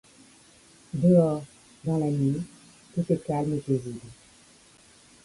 Dehors, dans la nuit, tout est calme et paisible.